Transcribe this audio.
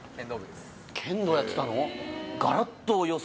剣道やってたの？